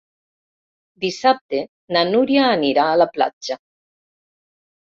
Dissabte na Núria anirà a la platja.